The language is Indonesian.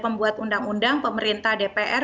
pembuat undang undang pemerintah dpr